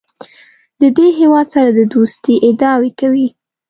د دې هېواد سره د دوستۍ ادعاوې کوي.